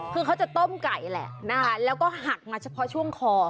คือเขาจะต้มไก่แหละนะคะแล้วก็หักมาเฉพาะช่วงคอ